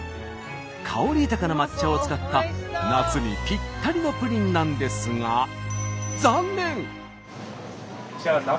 香り豊かな抹茶を使った夏にぴったりのプリンなんですが残念！